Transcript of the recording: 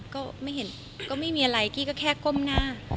ก็ไม่เห็นก็ไม่มีอะไรกี้ก็แค่ก้มหน้า